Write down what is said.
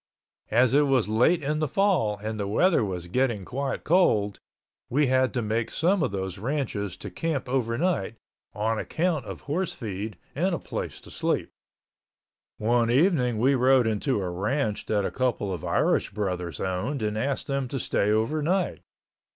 As it was late in the fall and the weather was getting quite cold, we had to make some of those ranches to camp overnight, on account of horse feed and a place to sleep. One evening we rode into a ranch that a couple of Irish brothers owned and asked them to stay overnight.